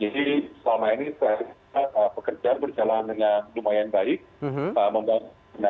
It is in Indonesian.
jadi selama ini pekerjaan berjalan dengan lumayan baik